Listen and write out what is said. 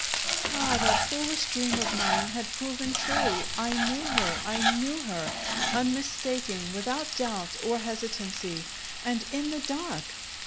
Ah, that foolish dream of mine had proven true: I knew her, I knew her, unmistaking, without doubt or hesitancy and in the dark!